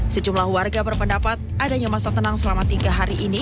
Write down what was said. sejumlah warga berpendapat adanya masa tenang selama tiga hari ini